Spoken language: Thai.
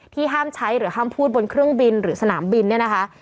ห้ามใช้หรือห้ามพูดบนเครื่องบินหรือสนามบินเนี่ยนะคะ